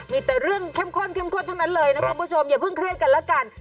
มีแต่เรื่องเข้มข้นเข้มข้นทั้งนั้นเลยนะคุณผู้ชมอย่าเพิ่งเครียดกันแล้วกัน